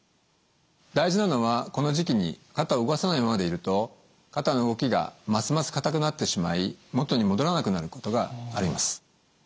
大事なのはこの時期に肩を動かさないままでいると肩の動きがますます硬くなってしまい元に戻らなくなることがあります。